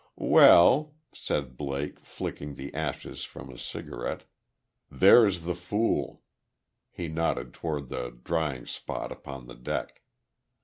"Well," said Blake, flicking the ashes from his cigarette, "there's the fool," he nodded toward the drying spot upon the deck.